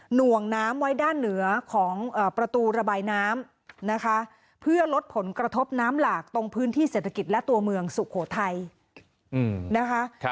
ห่วงน้ำไว้ด้านเหนือของประตูระบายน้ำนะคะเพื่อลดผลกระทบน้ำหลากตรงพื้นที่เศรษฐกิจและตัวเมืองสุโขทัยนะคะ